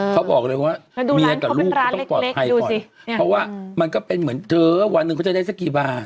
เขาบอกเลยว่าเมียกับลูกก็ต้องปลอดภัยก่อนเพราะว่ามันก็เป็นเหมือนเธอวันหนึ่งเขาจะได้สักกี่บาท